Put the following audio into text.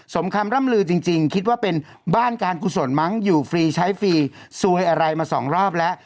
สมคำร่ำลือจริงคิดว่าเป็นบ้านการกุศลมั้งอยู่ฟรีใช้ฟรีซูยอะไรมาสองรอบแล้ว